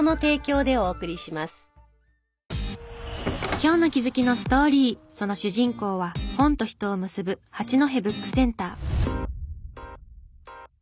今日の気づきのストーリーその主人公は本と人を結ぶ八戸ブックセンター。